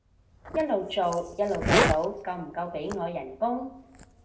一路做一路計到夠唔夠俾我人工